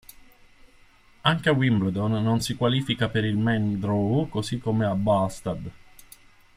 Anche a Wimbledon non si qualifica per il main-draw così come a Båstad.